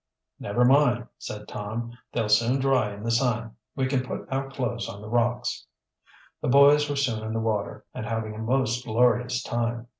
"Never mind," said Tom. "They'll soon dry in the sun. We can put our clothes on the rocks." The boys were soon in the water and having a most glorious time.